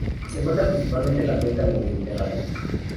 Se encuentra principalmente en la cuenca del Mediterráneo.